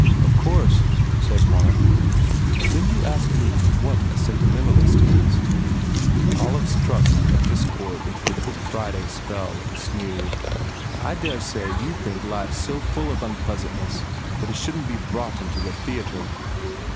"Of course," said Mark. "And then you ask me what a sentimentalist is!" Olive struck a discord into the Good Friday Spell and sneered, "I dare say you think life s so full of unpleasantness that it shouldn t be brought into the theatre!"